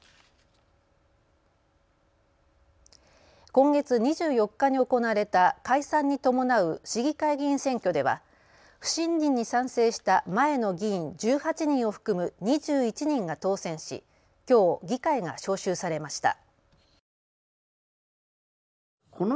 今月２４日に行われた解散に伴う市議会議員選挙では不信任に賛成した前の議員１８人を含む２１人が当選しきょう議会が招集されました。